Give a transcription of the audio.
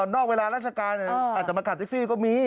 นอกเวลาราชการอาจจะมาขับแท็กซี่ก็มี